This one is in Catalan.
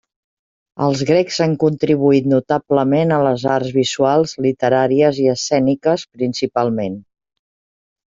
Els grecs han contribuït notablement a les arts visuals, literàries i escèniques, principalment.